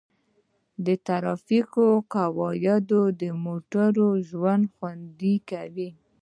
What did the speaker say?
د ټرافیک قواعد د موټروانو ژوند خوندي کوي.